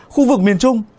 khu vực miền trung